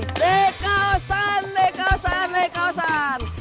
dekausan dekausan dekausan